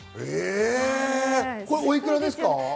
おいくらですか？